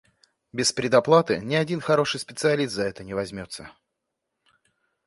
Без предоплаты ни один хороший специалист за это не возьмётся.